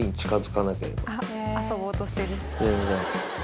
全然。